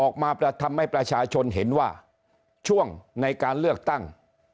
ออกมาทำให้ประชาชนเห็นว่าช่วงในการเลือกตั้ง